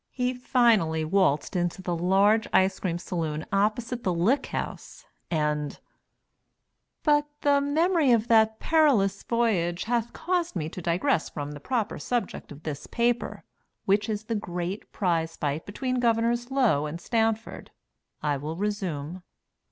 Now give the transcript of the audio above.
He finally waltzed into the large ice cream saloon opposite the Lick House, and But the memory of that perilous voyage hath caused me to digress from the proper subject of this paper, which is the great prize fight between Governors Low and Stanford. I will resume.